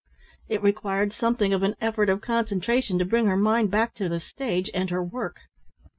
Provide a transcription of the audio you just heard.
It required something of an effort of concentration to bring her mind back to the stage and her work.